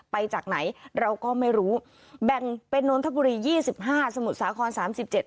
จากไหนเราก็ไม่รู้แบ่งเป็นนนทบุรียี่สิบห้าสมุทรสาครสามสิบเจ็ด